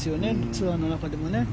ツアーの中でもね。